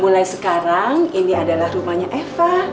mulai sekarang ini adalah rumahnya eva